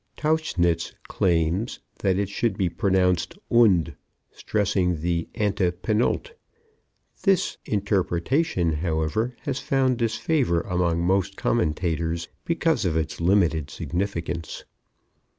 Tauchnitz claims that it should be pronounced "und," stressing the anti penult. This interpretation, however, has found disfavor among most commentators because of its limited significance.